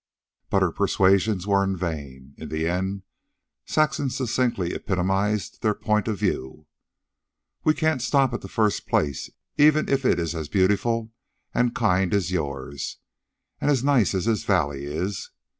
But her persuasions were in vain. In the end Saxon succinctly epitomized their point of view. "We can't stop at the first place, even if it is as beautiful and kind as yours and as nice as this valley is.